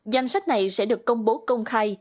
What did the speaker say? danh sách này sẽ được công bố công khai